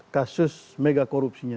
kasus mega korupsinya